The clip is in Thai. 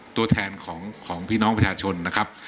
ตัวแทนของพี่น้องประชาชนนะครับ